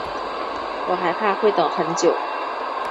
我还怕会等很久